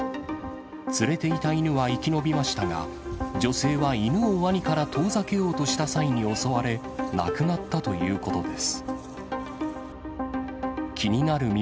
連れていた犬は生き延びましたが、女性は犬をワニから遠ざけようとした際に襲われ、亡くなったということです。